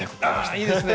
ああいいですね！